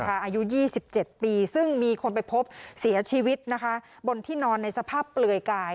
อายุ๒๗ปีซึ่งมีคนไปพบเสียชีวิตนะคะบนที่นอนในสภาพเปลือยกาย